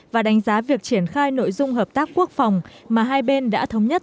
và đánh giá việc triển khai nội dung hợp tác quốc phòng mà hai bên đã thống nhất